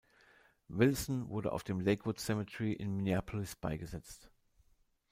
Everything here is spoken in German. Wilson wurde auf dem "Lakewood Cemetery" in Minneapolis beigesetzt.